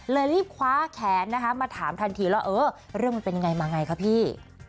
รีบคว้าแขนนะคะมาถามทันทีว่าเออเรื่องมันเป็นยังไงมาไงคะพี่